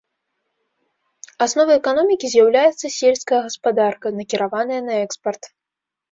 Асновай эканомікі з'яўляецца сельская гаспадарка, накіраваная на экспарт.